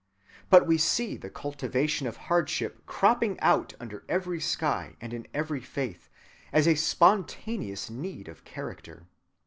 But we see the cultivation of hardship cropping out under every sky and in every faith, as a spontaneous need of character.